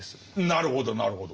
なるほどなるほど。